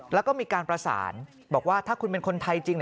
แล้วก็มีการประสานบอกว่าถ้าคุณเป็นคนไทยจริง